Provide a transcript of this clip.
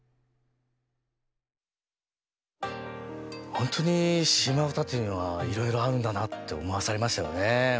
ホントにシマ唄というのはいろいろあるんだなって思わされましたよね。